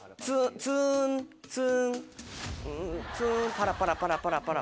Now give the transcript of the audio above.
ツンツンツンパラパラパラパラパラ。